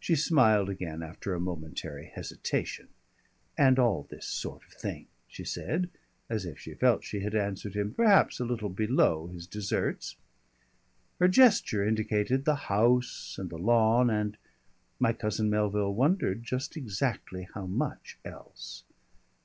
She smiled again after a momentary hesitation. "And all this sort of thing," she said, as if she felt she had answered him perhaps a little below his deserts. Her gesture indicated the house and the lawn and my cousin Melville wondered just exactly how much else.